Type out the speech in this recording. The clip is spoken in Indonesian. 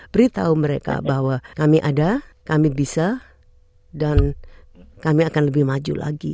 beritahu mereka bahwa kami ada kami bisa dan kami akan lebih maju lagi